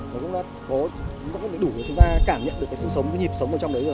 nó cũng có đủ để chúng ta cảm nhận được sự sống nhịp sống ở trong đấy rồi